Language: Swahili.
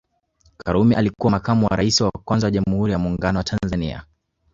Karume alikuwa makamu wa rais wa kwanza wa Jamhuri ya Muungano wa Tanzania